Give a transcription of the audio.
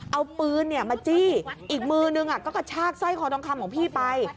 เอาปืนมาจี้อีกมือนึงก็กระชากสร้อยคอทองคำของพี่ไป